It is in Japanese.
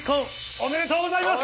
ありがとうございます！